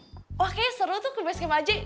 wah kayaknya seru tuh ke basecamp aja